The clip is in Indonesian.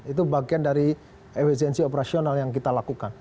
itu bagian dari efisiensi operasional yang kita lakukan